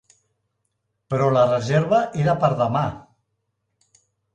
Però la reserva era per demà.